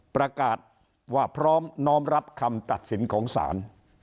ประกาศว่าพร้อมน้อมรับคำตัดสินของศาล